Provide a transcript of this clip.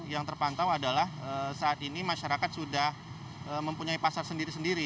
yang terpantau adalah saat ini masyarakat sudah mempunyai pasar sendiri sendiri